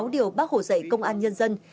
sáu điều bác hồ dạy công an nhân dân